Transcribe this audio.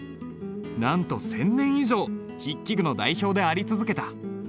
なんと１，０００年以上筆記具の代表であり続けた。